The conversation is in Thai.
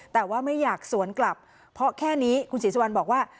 แต่ว่าไม่อยากสวนกลับเพราะแค่นี้คุณศรีสุวรรณบอกว่า